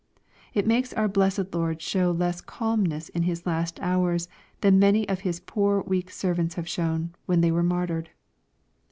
It makes our blessed Lord show less calmness in His last hours than many of his poor weak servants have shown, when they were martyred.